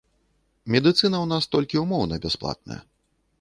Медыцына ў нас толькі ўмоўна бясплатная.